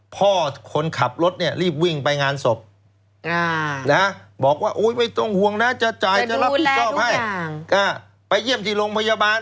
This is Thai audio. พ่อคนขับรถเนี่ยรีบวิ่งไปงานศพบอกว่าไม่ต้องห่วงนะ